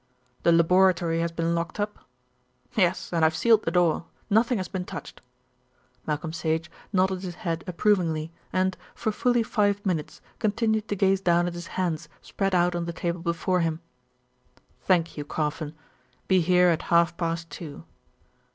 "The laboratory has been locked up?" "Yes; and I've sealed the door. Nothing has been touched." Malcolm Sage nodded his head approvingly and, for fully five minutes, continued to gaze down at his hands spread out on the table before him. "Thank you, Carfon. Be here at half past two."